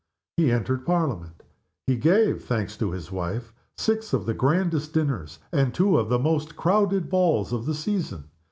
He entered Parliament. He gave (thanks to his wife) six of the grandest dinners, and two of the most crowded balls of the season.